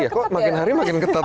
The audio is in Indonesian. ya kok makin hari makin ketat